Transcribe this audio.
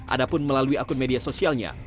ada pun melalui akun media sosialnya